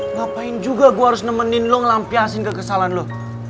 ngapain juga gua harus nemenin lo ngelampiasin kekesalan lo